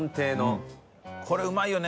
これうまいよね。